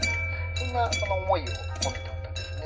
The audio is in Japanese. そんな思いを込めた歌ですね。